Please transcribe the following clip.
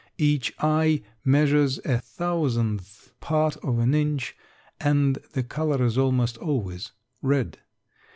Each eye measures a thousandth part of an inch and the color is almost always red.